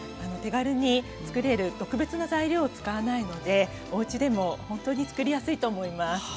手軽につくれる特別な材料を使わないのでおうちでも本当につくりやすいと思います。